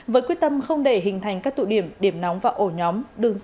với quyết tâm không để hình thành các tụ điểm điểm nóng và ổ nhóm